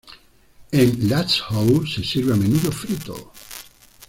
En Lanzhou se sirve a menudo frito.